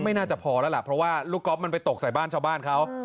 น่าจะพอแล้วล่ะเพราะว่าลูกก๊อฟมันไปตกใส่บ้านชาวบ้านเขา